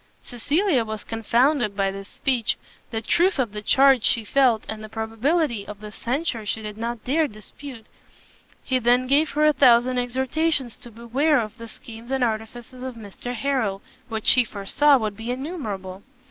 Cecilia was confounded by this speech: the truth of the charge she felt, and the probability of the censure she did not dare dispute. He then gave her a thousand exhortations to beware of the schemes and artifices of Mr Harrel, which he foresaw would be innumerable.